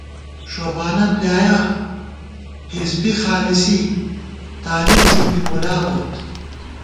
ݭوبانہ بۡلیایَہ حزبی خالِصی طالب ݫُپی مُلابوت